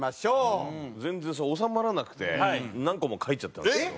全然収まらなくて何個も書いちゃったんですけど。